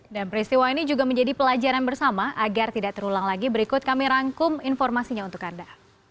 dan peristiwa ini juga menjadi pelajaran bersama agar tidak terulang lagi berikut kami rangkum informasinya untuk anda